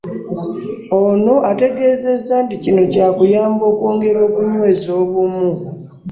Ono ategeezezza nti kino kya kuyamba okwongera okunyweza obumu